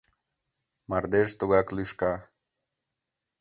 Мардеж тугак лӱшка.